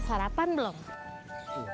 tidak ada pesanan kue bolu gi sepuluh